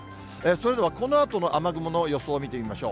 それではこのあとの雨雲の予想を見てみましょう。